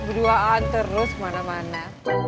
berduaan terus kemana mana